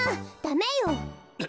ダメよ。